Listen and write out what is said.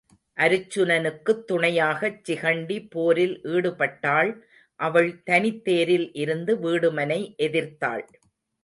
அருச்சுனக்குத் துணையாகச் சிகண்டி போரில் ஈடுபட்டாள் அவள் தனித்தேரில் இருந்து வீடுமனை எதிர்த்தாள்.